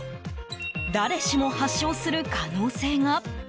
誰しも発症する可能性が？